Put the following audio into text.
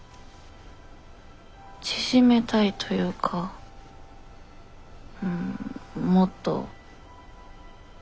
縮めたいというかうんもっと何て言うか。